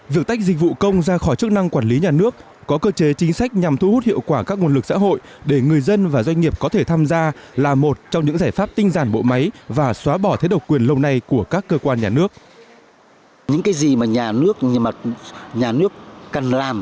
việc tách dịch vụ công ra khỏi chức năng quản lý nhà nước có cơ chế chính sách nhằm thu hút hiệu quả các nguồn lực xã hội để người dân và doanh nghiệp có thể tham gia là một trong những giải pháp tinh giản bỏ thế độc quyền lông này của các cơ quan nhà nước